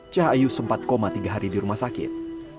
cahayu sempat koma tiga hari di rumah sakit